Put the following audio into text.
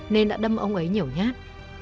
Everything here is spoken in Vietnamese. nên đã đâm ông ấy nhiều nhát